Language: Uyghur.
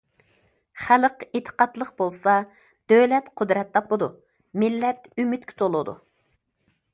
خەلق ئېتىقادلىق بولسا، دۆلەت قۇدرەت تاپىدۇ، مىللەت ئۈمىدكە تولىدۇ.